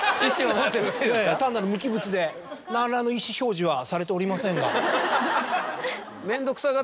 単なる無機物で何ら意思表示はされておりませんが。